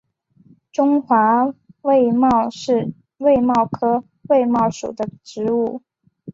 中华卫矛是卫矛科卫矛属的植物。